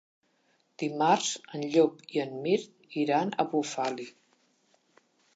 Dimarts en Llop i en Mirt iran a Bufali.